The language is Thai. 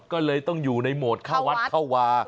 ก็เลยต้องอยู่ในโหมดเข้าวัดเข้าวา